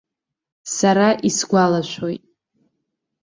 Сара исгәалашәоит.